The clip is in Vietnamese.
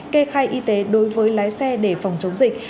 kê khai y tế đối với lái xe để phòng chống dịch